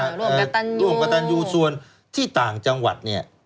ร่วมกับตันยูร่วมกับตันยูส่วนที่ต่างจังหวัดเนี่ย